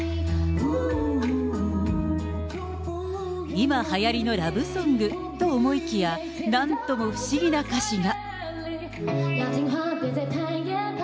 今、はやりのラブソングと思いきや、なんとも不思議な歌詞が。